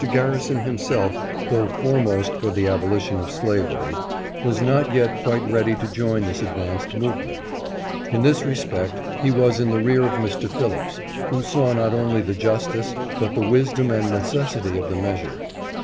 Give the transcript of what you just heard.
Garrison himself, though foremost for the abolition ^l^ REASONS AGAINST THE BALLOT FOR FREEDMEN. 463 of slavery, was not yet quite ready to join this advanced movement. In this respect he was in the rear of Mr. Phillips, who saw not only the justice, but the wisdom and necessity of the measure.